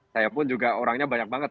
saya pun juga orangnya banyak banget